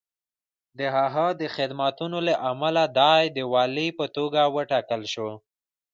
د هغه د خدمتونو له امله دی د والي په توګه وټاکل شو.